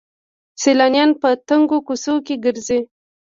سیلانیان په تنګو کوڅو کې ګرځي.